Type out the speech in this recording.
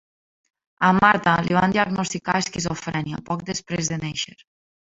A Martha li van diagnosticar esquizofrènia poc després de néixer.